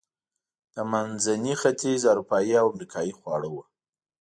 د منځني ختیځ، اروپایي او امریکایي خواړه و.